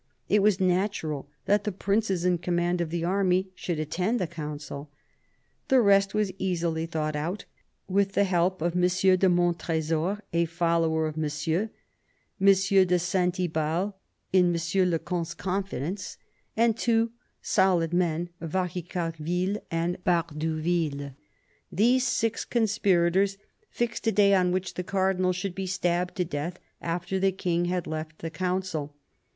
It was natural that the princes in command of the army should attend the council. The rest was easily thought out, with the help of M. de Montr^sor, a follower of Monsieur, M. de Saint Ibal, in M. le Comte's confidence, 260 CARDINAL DE RICHELIEU and two " solid men," Varicarville and Bardouville. These six conspirators fixed a day on which the Cardinal should be stabbed to death after the King had left the council.